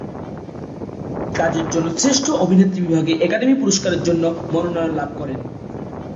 তিনি এই কাজের জন্য শ্রেষ্ঠ অভিনেত্রী বিভাগে একাডেমি পুরস্কারের মনোনয়ন লাভ করেন।